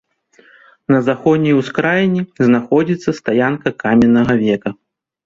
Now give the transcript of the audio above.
На заходняй ускраіне знаходзіцца стаянка каменнага века.